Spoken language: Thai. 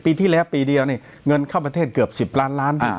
ปีที่แล้วปีเดียวนี่เงินเข้าประเทศเกือบ๑๐ล้านล้าน